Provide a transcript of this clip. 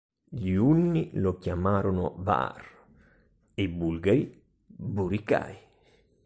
Gli Unni lo chiamarono "Var" e i Bulgari "Buri-Chai".